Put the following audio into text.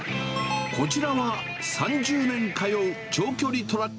こちらは３０年通う長距離トラック